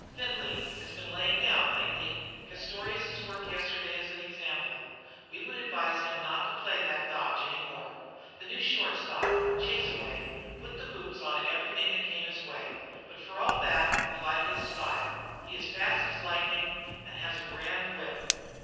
Findlay has been laying down lately. Castorious's work yesterday is an example. We would advise him not to play that dodge any more. The new short stop, Chaseaway, put the boots on everything that came his way, but for all that we like his style. He is fast as lightning and has a grand whip.